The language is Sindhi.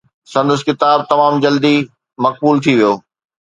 سندس ڪتاب تمام جلدي مقبول ٿي ويو.